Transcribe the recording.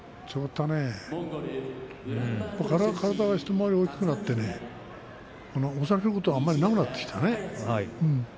体も、一回り大きくなって押されることがあまりなくなってきたね。